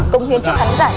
công hiến cho khán giả